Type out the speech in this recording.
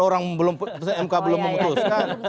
orang mk belum memutuskan